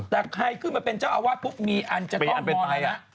แต่ใครขึ้นมาเป็นเจ้าอาวาสปุ๊บมีอันจะต้องตายแล้ว